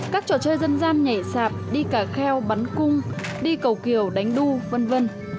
các trò chơi dân gian nhảy sạp đi cả kheo bắn cung đi cầu kiều đánh đu v v